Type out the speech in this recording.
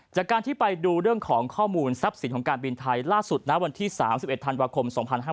จากการที่ไปดูเรื่องของข้อมูลทรัพย์สินของการบินไทยล่าสุดณวันที่๓๑ธันวาคม๒๕๕๙